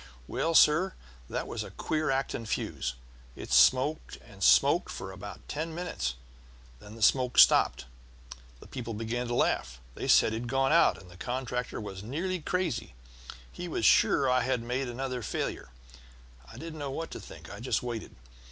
Well, sir, that was a queer acting fuse. It smoked and smoked for about ten minutes, and then the smoke stopped. The people began to laugh they said it had gone out; and the contractor was nearly crazy: he was sure I had made another failure. I didn't know what to think; I just waited.